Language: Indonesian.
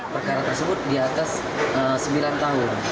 perkara tersebut di atas sembilan tahun